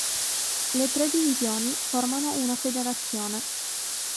Le tre divisioni formano una federazione.